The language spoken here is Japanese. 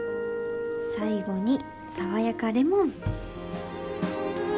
最後に爽やかレモン。